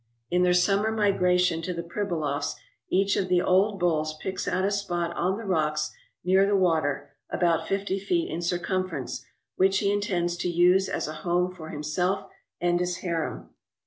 In their summer migration to the Pribilofs each of the old bulls picks out a spot on the rocks, near the water, about fifty feet in circumference, which he intends to use as a home for himself and his harem.